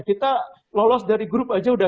kita lolos dari grup aja udah